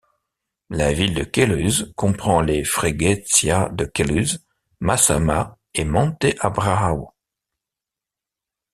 La ville de Queluz comprend les freguesias de Queluz, Massama et Monte Abraao.